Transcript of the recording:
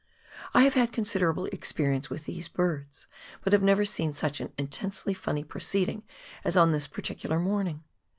I have had considerable experience with these birds, but have never seen such an intensely funny proceeding as on this particular morning.